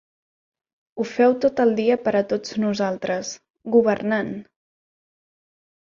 Ho feu tot el dia per a tots nosaltres, governant!